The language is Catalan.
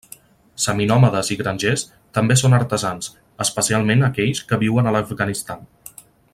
Seminòmades i grangers, també són artesans, especialment aquells que viuen a l'Afganistan.